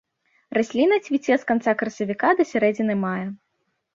Расліна цвіце з канца красавіка да сярэдзіны мая.